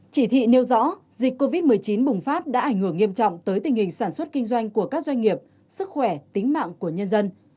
chỉ thị nêu rõ dịch covid một mươi chín bùng phát đã ảnh hưởng nghiêm trọng tới tình hình sản xuất kinh doanh của các doanh nghiệp sức khỏe tính mạng của nhân dân